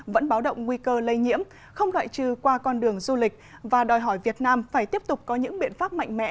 vẫn báo động nguy cơ lây nhiễm không loại trừ qua con đường du lịch và đòi hỏi việt nam phải tiếp tục có những biện pháp mạnh mẽ